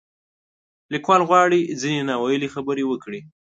لیکوال غواړي ځینې نا ویلې خبرې وکړي.